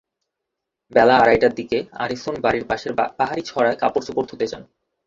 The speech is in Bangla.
বেলা আড়াইটার দিকে আরিছুন বাড়ির পাশের পাহাড়ি ছড়ায় কাপড়চোপড় ধুতে যান।